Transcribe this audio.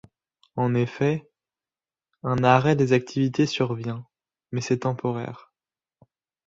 En effet, un arrêt des activités survient, mais c'est temporaire.